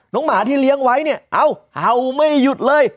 หมาที่เลี้ยงไว้เนี่ยเอาเห่าไม่หยุดเลย